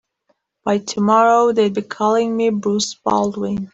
By tomorrow they'll be calling me Bruce Baldwin.